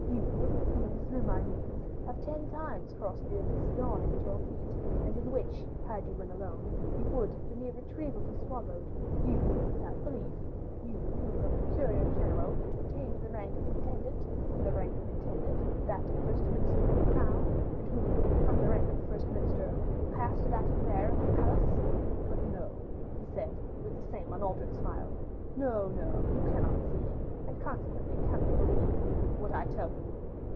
you, who, through my means, have ten times crossed the abyss yawning at your feet, and in which, had you been alone, you would have been irretrievably swallowed; you, without belief; you, who from procureur general attained the rank of intendant, from the rank of intendant, that of the first minister of the crown, and who from the rank of first minister will pass to that of mayor of the palace. But no," he said, with the same unaltered smile, "no, no, you cannot see, and consequently cannot believe what I tell you."